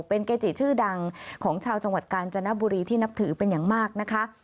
เป็นเกจิชื่อดังของชาวจังหวัดกาญจนบุรีที่นับถือเป็นอย่างมากนะคะ